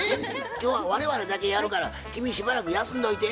今日は我々だけやるから君しばらく休んどいて。